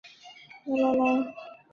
氯化铽可以形成无水物和六水合物。